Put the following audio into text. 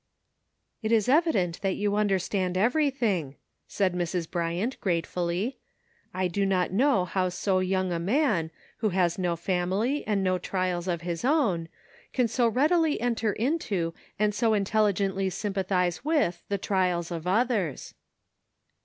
"It is evident that you understand every thing," said Mrs. Bryant gratefully. ''I do not know how so young a man, who has no family and no trials of his own, can so readily enter into and so intelligently sympathize with the trials of others.".